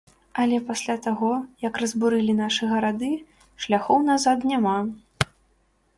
Але пасля таго, як разбурылі нашы гарады, шляхоў назад няма.